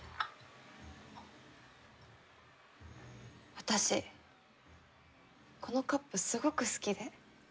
私このカップすごく好きで。